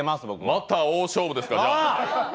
また大勝負ですか。